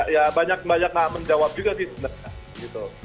ya banyak banyak nggak menjawab juga sih sebenarnya gitu